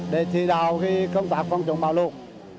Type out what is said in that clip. để trí đạo công tác phòng chống bão lột